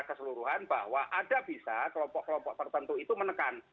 keseluruhan bahwa ada bisa kelompok kelompok tertentu itu menekan